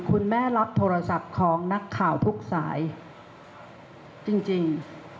คุณแม่รับโทรศัพท์ของนักข่าวทุกสายจริง